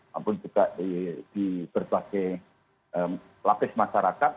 maupun juga di berbagai lapis masyarakat